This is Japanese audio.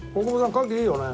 カキいいよね？